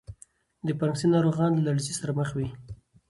د پارکینسن ناروغان له لړزې سره مخ وي.